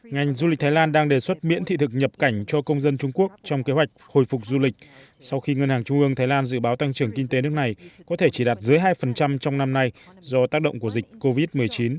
ngành du lịch thái lan đang đề xuất miễn thị thực nhập cảnh cho công dân trung quốc trong kế hoạch hồi phục du lịch sau khi ngân hàng trung ương thái lan dự báo tăng trưởng kinh tế nước này có thể chỉ đạt dưới hai trong năm nay do tác động của dịch covid một mươi chín